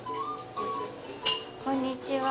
こんにちは。